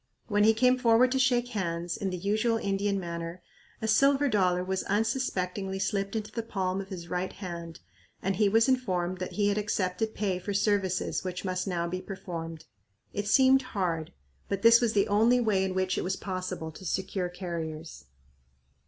When he came forward to shake hands, in the usual Indian manner, a silver dollar was un suspectingly slipped into the palm of his right hand and he was informed that he had accepted pay for services which must now be performed. It seemed hard, but this was the only way in which it was possible to secure carriers.